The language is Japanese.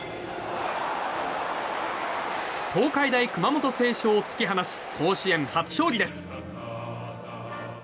東海大熊本星翔を突き放し甲子園初勝利です。